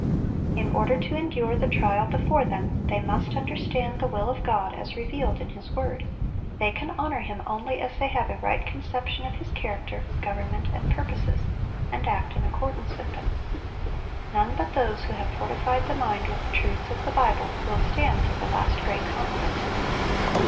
In order to endure the trial before them, they must understand the will of God as revealed in His word; they can honor Him only as they have a right conception of His character, government, and purposes, and act in accordance with them. None but those who have fortified the mind with the truths of the Bible will stand through the last great conflict.